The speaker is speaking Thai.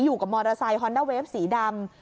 อยู่กับมอเตอร์ไซส์ฮอนด้าเวฟสีดำ